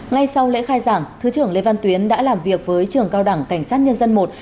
ngay sau lễ khai giảng thứ trưởng lê văn tuyến đã làm việc với trường cao đẳng cảnh sát nhân dân i